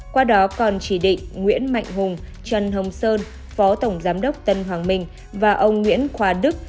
qua đó còn chỉ định nguyễn mạnh hùng trần hồng sơn phó tổng giám đốc tân hoàng minh và ông nguyễn khoa đức